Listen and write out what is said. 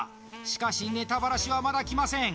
しかしネタバラシはまだ来ません